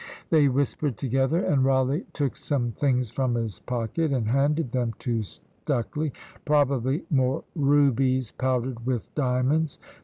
They whispered together, and Rawleigh took some things from his pocket, and handed them to Stucley; probably more "rubies powdered with diamonds."